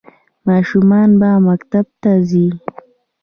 ماشومان به مکتب ته ځي؟